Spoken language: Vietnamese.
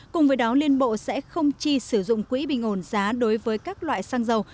cùng với đó liên bộ sẽ không chi sử dụng quỹ bình ổn giá đối với các loại xăng dầu